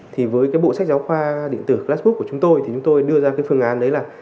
thì với cái bộ sách giáo khoa điện tử classood của chúng tôi thì chúng tôi đưa ra cái phương án đấy là